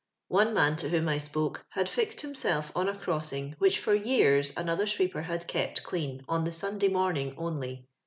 One man to idiom I spoke, had fixed himself on a oossing which for years another sweeper liad kept dean on the Sunday morning only.